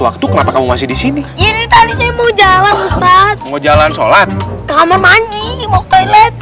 waktu kenapa kamu masih di sini ini tadi saya mau jalan ustadz mau jalan sholat kamu manji mau toilet